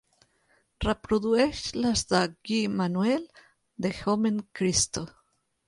reprodueix les de Guy-manuel De Homem-christo